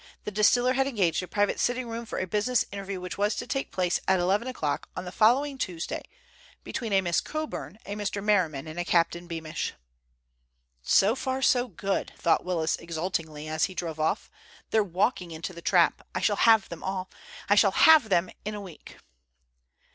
The distiller had engaged a private sitting room for a business interview which was to take place at eleven o'clock on the following Tuesday between a Miss Coburn, a Mr. Merriman, and a Captain Beamish. "So far so good," thought Willis exultingly, as he drove off. "They're walking into the trap! I shall have them all. I shall have them in a week."